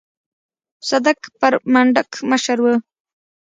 صدک پر منډک مشر و.